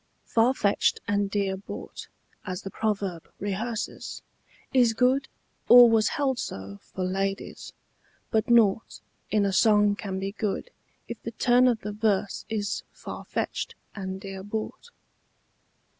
FAR FETCHED and dear bought, as the proverb rehearses, Is good, or was held so, for ladies: but nought In a song can be good if the turn of the verse is Far fetched and dear bought.